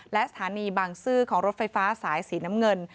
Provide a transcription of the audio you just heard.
และสถานีบางซื่อของรถไฟฟ้าสายสีน้ำเงิน